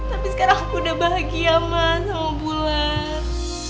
tapi sekarang aku udah bahagia mas sama bulan